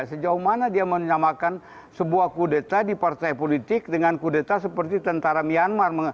sejauh mana dia menyamakan sebuah kudeta di partai politik dengan kudeta seperti tentara myanmar